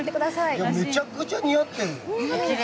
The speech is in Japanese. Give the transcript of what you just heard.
めちゃくちゃ似合ってる。